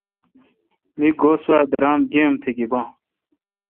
می گو سوا درامہ گیی ام تہ گیبان۔